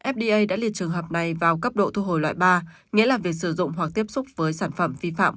fda đã liệt trường hợp này vào cấp độ thu hồi loại ba nghĩa là việc sử dụng hoặc tiếp xúc với sản phẩm vi phạm